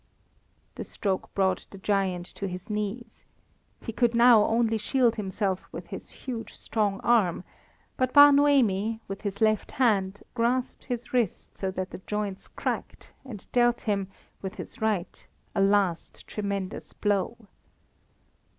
The stroke brought the giant to his knees. He could now only shield himself with his huge strong arm; but Bar Noemi, with his left hand, grasped his wrist so that the joints cracked, and dealt him, with his right, a last tremendous blow.